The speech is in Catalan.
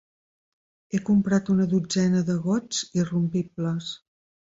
He comprat una dotzena de gots irrompibles.